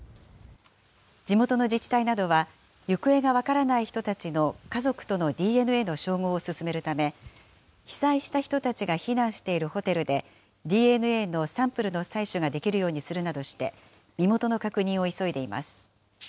地元の自治体などは、行方が分からない人たちの家族とのＤＮＡの照合を進めるため、被災した人たちが避難しているホテルで、ＤＮＡのサンプルの採取ができるようにするなどして、身元の確認を急いでいます。